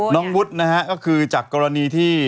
น้องวุฒิก็คือจากกรณีที่